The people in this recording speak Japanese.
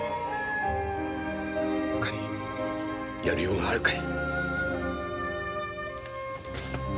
ほかにやりようがあるかい。